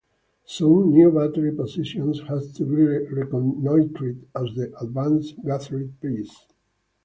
Soon new battery positions had to be reconnoitred as the advance gathered pace.